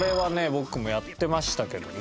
僕もやってましたけどね。